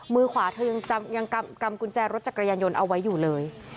มือขวาเธอยังกำกุญแจรถจักรยานยนต์เอาไว้อยู่เลย